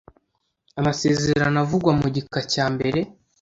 amasezerano avugwa mu gika cya mbere